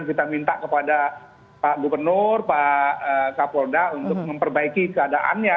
kita minta kepada pak gubernur pak kapolda untuk memperbaiki keadaannya